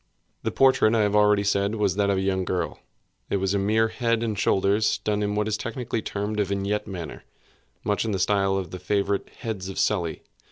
The portrait, I have already said, was that of a young girl. It was a mere head and shoulders, done in what is technically termed a vignette manner; much in the style of the favorite heads of Sully.